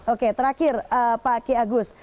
oke terakhir pak ki agus